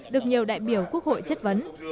được nhiều đại biểu quốc hội chất vấn